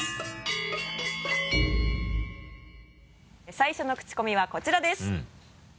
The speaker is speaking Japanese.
最初のクチコミはこちらです。